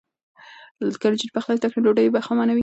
که نجونې پخلی زده کړي نو ډوډۍ به خامه نه وي.